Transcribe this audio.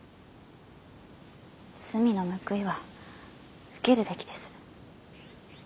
罪の報いは受けるべきです。